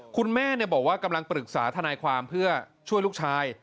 คุณแม่บอกว่ากำลังปรึกษาทนายความเพื่อช่วยลูกชาย